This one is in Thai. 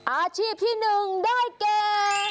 อาชีพที่๑ได้แก่